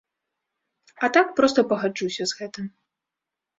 А так проста пагаджуся з гэтым.